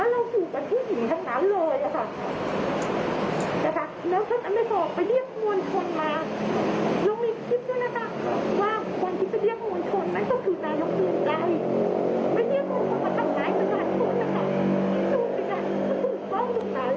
ถูกไปกันถูกต้องอยู่ไหน